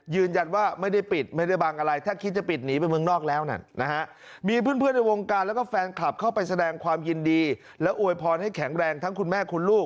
ยืนยันว่าไม่ได้ปิดไม่ได้บังอะไรถ้าคิดจะปิดหนีไปเมืองนอกแล้วนั่นนะฮะมีเพื่อนในวงการแล้วก็แฟนคลับเข้าไปแสดงความยินดีและอวยพรให้แข็งแรงทั้งคุณแม่คุณลูก